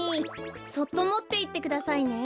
そっともっていってくださいね。